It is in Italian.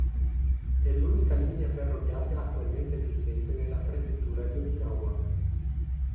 È l'unica linea ferroviaria attualmente esistente nella Prefettura di Okinawa.